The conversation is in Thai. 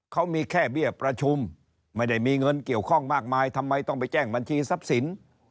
เขามีแค่เบี้ยประชุมไม่ได้มีเงินเกี่ยวข้องมากมายทำไมต้องไปแจ้งบัญชีทรัพย์สิน